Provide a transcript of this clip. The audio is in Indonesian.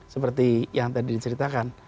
seperti yang tadi diceritakan